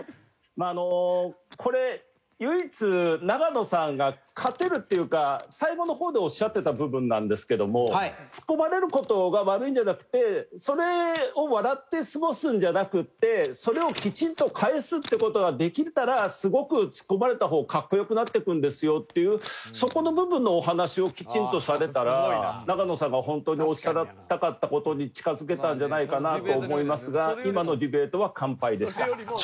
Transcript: まああのこれ唯一永野さんが勝てるっていうか最後の方でおっしゃってた部分なんですけどもツッコまれる事が悪いんじゃなくてそれを笑って過ごすんじゃなくてそれをきちんと返すって事ができたらすごくツッコまれた方がかっこよくなっていくんですよっていうそこの部分のお話をきちんとされたら永野さんが本当におっしゃりたかった事に近づけたんじゃないかなと思いますが。